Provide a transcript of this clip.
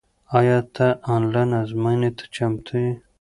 آیا ته آنلاین ازموینې ته چمتو یې؟